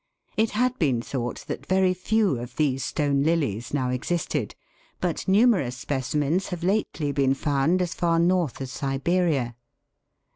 It had been thought that very few of these stone lilies now existed, but numerous specimens have lately been found as far north as Siberia.